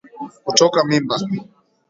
Kutoka mimba